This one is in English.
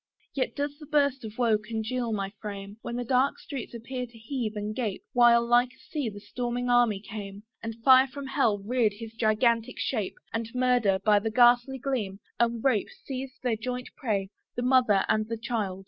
Yet does that burst of woe congeal my frame, When the dark streets appeared to heave and gape, While like a sea the storming army came, And Fire from Hell reared his gigantic shape, And Murder, by the ghastly gleam, and Rape Seized their joint prey, the mother and the child!